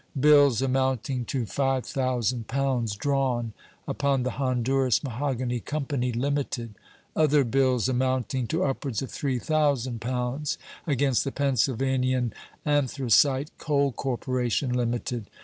Bills amounting to five thousand pounds, drawn, upon the Honduras Mahogany Company, Limited; other bills amounting to upwards of three thousand pounds, against the Pennsylvanian Anthracite Coal Corporation, Limited.